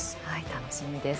楽しみです。